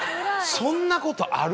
そんなことある？